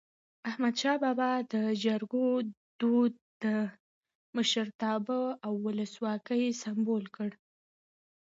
احمد شاه بابا د جرګو دود د مشرتابه او ولسواکی سمبول کړ.